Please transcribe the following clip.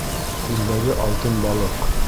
Күлдәге алтын балыҡ.